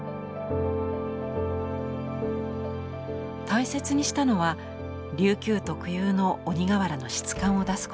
大切にしたのは琉球特有の鬼瓦の質感を出すこと。